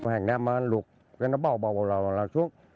hàng năm lụt nó bò bò bò bò xuống